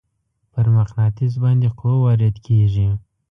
پر مقناطیس باندې قوه وارد کیږي.